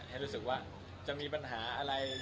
ให้รู้สึกว่าจะมีปัญหาอะไร